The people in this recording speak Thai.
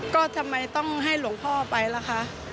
ก็ทำไมต้องให้หลวงพ่อไปล่ะคะ